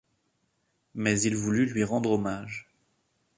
Mais il voulut lui rendre hommage.